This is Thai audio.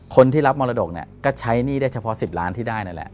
คนที่รับมรดกเนี่ยก็ใช้หนี้ได้เฉพาะ๑๐ล้านที่ได้นั่นแหละ